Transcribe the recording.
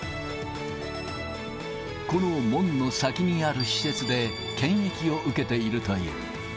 この門の先にある施設で検疫を受けているという。